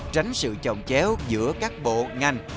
tránh sự chồng chéo giữa các bộ ngành